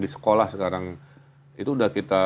di sekolah sekarang itu udah kita